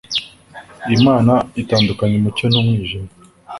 Imana itandukanya umucyo n’ umwijima